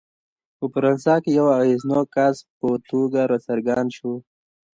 په فرانسه کې د یوه اغېزناک کس په توګه راڅرګند شو.